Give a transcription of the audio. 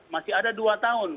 masih ada dua tahun